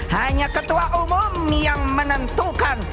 hanya ketua umum yang menentukan